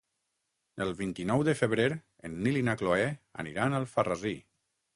El vint-i-nou de febrer en Nil i na Cloè aniran a Alfarrasí.